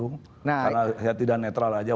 karena saya tidak netral aja